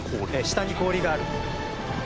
下に氷がある。